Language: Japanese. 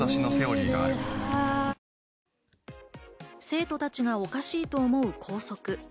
生徒たちがおかしいと思う校則。